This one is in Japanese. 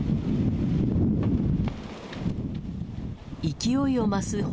勢いを増す炎。